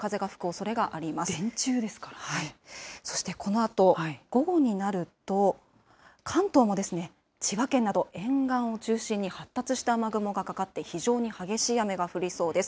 そしてこのあと、午後になると、関東もですね、千葉県など沿岸を中心に発達した雨雲がかかって、非常に激しい雨が降りそうです。